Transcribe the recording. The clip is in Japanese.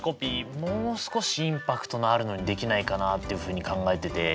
もう少しインパクトのあるのにできないかなっていうふうに考えてて。